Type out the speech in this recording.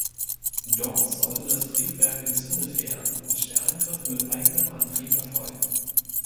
Dort sollte das Triebwerk gezündet werden und der Angriff mit eigenem Antrieb erfolgen.